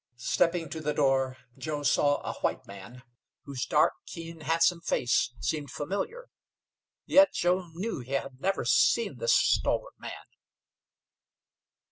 Stepping to the door, Joe saw a white man, whose dark, keen, handsome face seemed familiar. Yet Joe knew he had never seen this stalwart man.